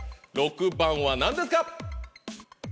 ６番は何ですか？